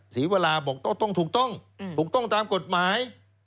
สีเวลาบอกถูกต้องถูกต้องตามกฎหมาย